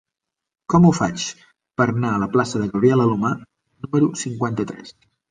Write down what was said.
Com ho faig per anar a la plaça de Gabriel Alomar número cinquanta-tres?